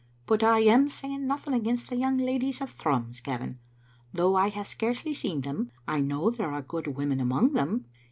"But I am saying nothing against the young ladies of Thrums, Gavin. Though I have scarcely seen them, I know there are good women among them.